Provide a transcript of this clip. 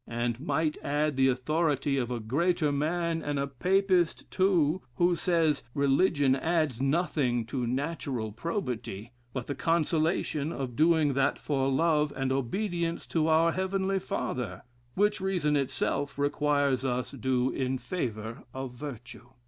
And might add the authority of a greater man, and a Papist too, * who says, 'Religion adds nothing to natural probity, but the consolation of doing that for love and obedience to our Heavenly Father, which reason itself requires us do in favor of virtue.'"